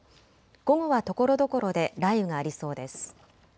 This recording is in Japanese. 午後はところどころで雷雨がありそうです。